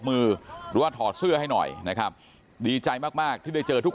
มือหรือว่าถอดเสื้อให้หน่อยนะครับดีใจมากมากที่ได้เจอทุก